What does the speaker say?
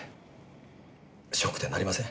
ショックでなりません。